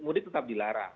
mudik tetap dilarang